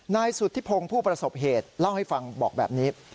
นายสุธิพงศ์ผู้ประสบเหตุเล่าให้ฟังบอกแบบนี้